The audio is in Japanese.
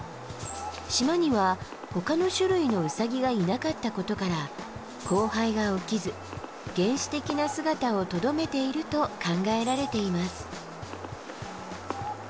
島にはほかの種類のウサギがいなかったことから交配が起きず原始的な姿をとどめていると考えられています。